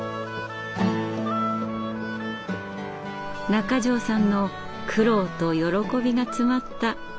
中條さんの苦労と喜びが詰まったお米です。